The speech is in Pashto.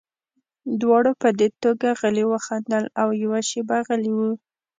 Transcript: دواړو په دې ټوکه غلي وخندل او یوه شېبه غلي وو